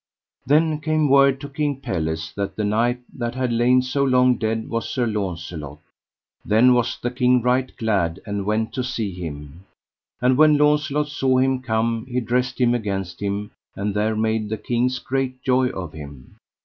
Then came word to King Pelles that the knight that had lain so long dead was Sir Launcelot. Then was the king right glad, and went to see him. And when Launcelot saw him come he dressed him against him, and there made the king great joy of him.